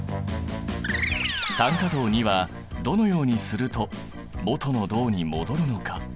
酸化銅はどのようにすると元の銅に戻るのか？